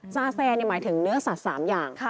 ซาแฟหมายถึงเนื้อสัตว์๓อย่าง